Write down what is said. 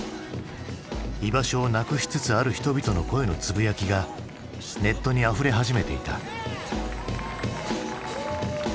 居場所をなくしつつある人々の声のつぶやきがネットにあふれ始めていた。